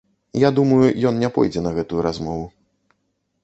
Я думаю, ён не пойдзе на гэтую размову.